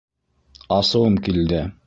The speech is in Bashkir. Асыуым килде.